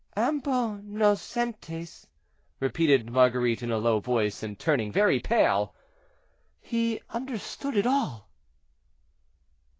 "Ambo nocentes," repeated Marguerite, in a low voice, and turning very pale, "he understood it all."